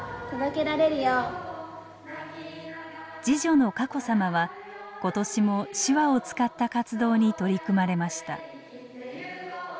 次女の佳子さまは今年も手話を使った活動に取り組まれました。